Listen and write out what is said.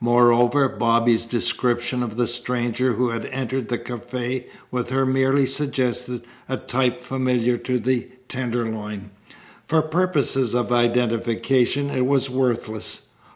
Moreover, Bobby's description of the stranger who had entered the cafe with her merely suggested a type familiar to the Tenderloin. For purposes of identification it was worthless.